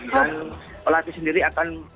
dan pelatih sendiri akan